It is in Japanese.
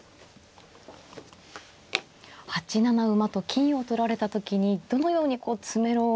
８七馬と金を取られた時にどのように詰めろを。